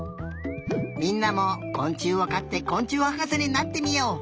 みんなもこん虫をかってこん虫はかせになってみよう！